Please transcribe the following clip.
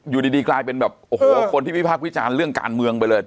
อยู่ดีกลายเป็นแบบโอ้โหคนที่วิพากษ์วิจารณ์เรื่องการเมืองไปเลย